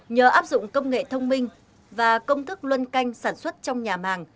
nhờ áp dụng công nghệ thông minh và công thức luân canh sản xuất trong nhà màng